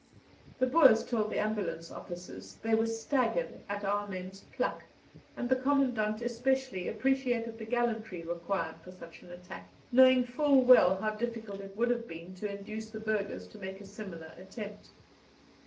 The Boers told the ambulance officers they were staggered at our men's pluck, and the Commandant especially appreciated the gallantry required for such an attack, knowing full well how difficult it would have been to induce the burghers to make a similar attempt.